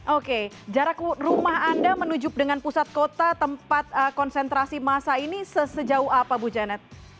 oke jarak rumah anda menuju dengan pusat kota tempat konsentrasi masa ini sejauh apa bu janet